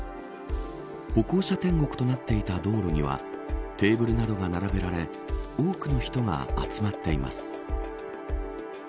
歩行者天国となっていた道路にはテーブルなどが並べられ多くの人が集まっています。